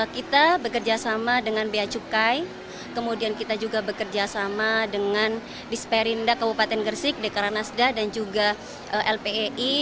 kita bekerja sama dengan beacukai kemudian kita juga bekerja sama dengan disperinda kabupaten gresik dekra nasdaq dan juga lpei